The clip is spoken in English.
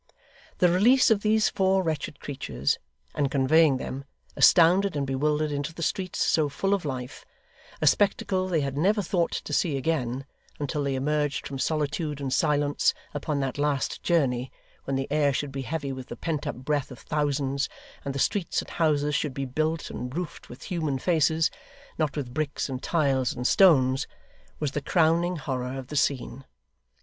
The release of these four wretched creatures, and conveying them, astounded and bewildered, into the streets so full of life a spectacle they had never thought to see again, until they emerged from solitude and silence upon that last journey, when the air should be heavy with the pent up breath of thousands, and the streets and houses should be built and roofed with human faces, not with bricks and tiles and stones was the crowning horror of the scene.